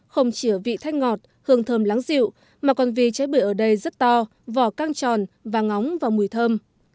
không chỉ ở vị thanh ngọt hương thơm lắng dịu mà còn vì trái bưởi ở đây rất to vỏ căng tròn và ngóng và mùi thơm